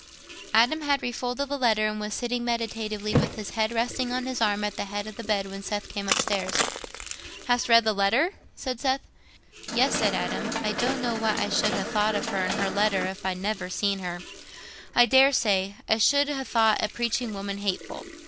Adam had refolded the letter, and was sitting meditatively with his head resting on his arm at the head of the bed, when Seth came upstairs. "Hast read the letter?" said Seth. "Yes," said Adam. "I don't know what I should ha' thought of her and her letter if I'd never seen her: I daresay I should ha' thought a preaching woman hateful.